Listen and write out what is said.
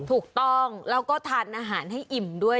ถูกต้องแล้วก็ทานอาหารให้อิ่มด้วย